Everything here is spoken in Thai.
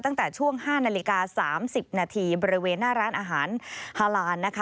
ตั้งแต่ช่วง๕นาฬิกา๓๐นาทีบริเวณหน้าร้านอาหารฮาลานนะคะ